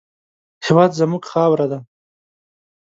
هېواد زموږ خاوره ده